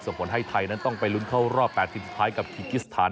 ผลให้ไทยนั้นต้องไปลุ้นเข้ารอบ๘ทีมสุดท้ายกับคีกิสถาน